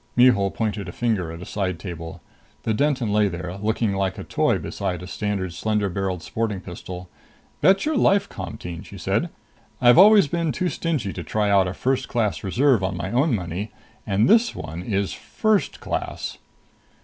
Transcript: Mihul pointed a finger at a side table. The Denton lay there, looking like a toy beside a standard slender barrelled sporting pistol. "Bet your life, Comteen!" she said. "I've always been too stingy to try out a first class preserve on my own money. And this one is first class."